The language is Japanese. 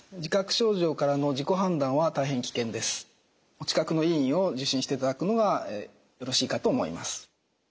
お近くの医院を受診していただくのがよろしいかと思います。